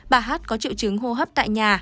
bà hát có triệu chứng hô hấp tại nhà